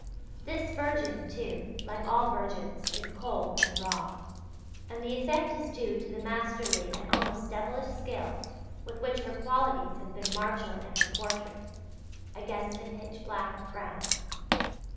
This virgin, too, like all virgins, is cold and raw and the effect is due to the masterly and almost devilish skill with which her qualities have been marshalled in her portrait, against a pitch black ground.